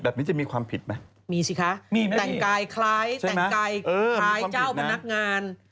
แบบนี้จะมีความผิดไหมมีสิคะแต่งกายใครแต่งกายเจ้าพนักงาน